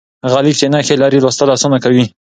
هغه لیک چې نښې لري، لوستل اسانه کوي.